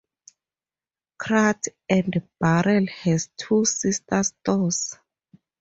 Crate and Barrel has two sister stores.